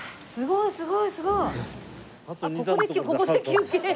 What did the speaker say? すごいすごい。